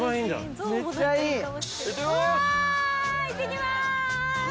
いってきます